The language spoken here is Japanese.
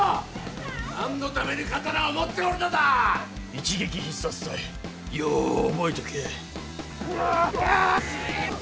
一撃必殺隊よう覚えとけ。